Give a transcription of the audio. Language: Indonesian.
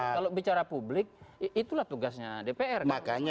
kalau bicara publik itulah tugasnya dpr